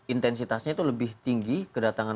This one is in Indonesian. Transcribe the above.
intensitasnya itu lebih tinggi kedatangan